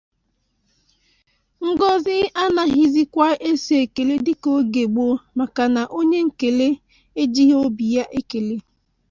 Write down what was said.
Ngọzị anaghịzịkwa eso ekele dịka n'oge gboo maka na onye nkele ejighị obi ya ekele